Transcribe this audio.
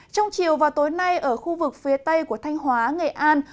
trong chiều và tối nay ở khu vực phía tây của thanh hóa nghệ an